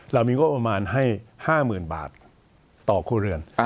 เรามีงบประมาณให้๕๐๐๐บาทต่อครัวเรือน